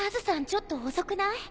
ちょっと遅くない？